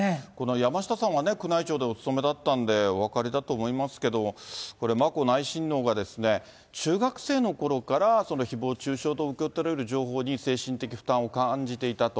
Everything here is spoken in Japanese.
山下さんはね、宮内庁でお勤めだったんで、お分かりだと思いますけれども、これ、眞子内親王が中学生のころからひぼう中傷と受け取れる情報に精神的負担を感じていたと。